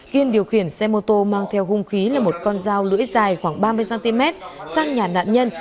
kiên điều khiển xe mô tô mang theo hung khí là một con dao lưỡi dài khoảng ba mươi cm sang nhà nạn nhân